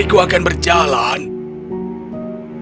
mereka saat ini kembali menuju ke tersebut